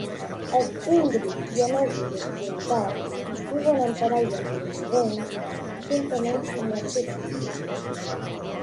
Els indris llanosos occidentals viuen en parelles monògames, juntament amb les seves cries.